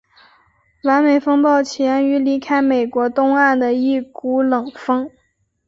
完美风暴起源于离开美国东岸的一股冷锋。